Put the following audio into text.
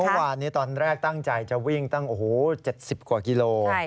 เมื่อวานนี้ตอนแรกตั้งใจจะวิ่งตั้ง๗๐กว่ากิโล